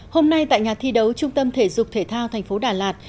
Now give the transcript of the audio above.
hôm nay tại nhà thi đấu trung tâm thể dục thể thao tp đà lạt